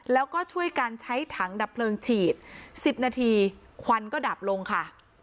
แล้วก็ช่วยกันใช้ถังดับเพลิงฉีด๑๐นาทีควันก็ดับลงค่ะ